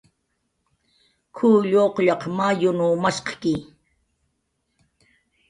"K""uw lluqllaq mayunw mashqki"